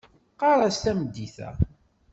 Ɣer-as tameddit-a.